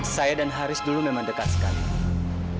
saya dan haris dulu memang dekat sekali